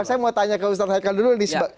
saya mau tanya ke ustaz haikal dulu